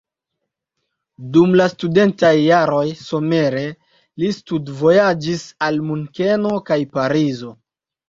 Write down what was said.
Dum la studentaj jaroj somere li studvojaĝis al Munkeno kaj Parizo.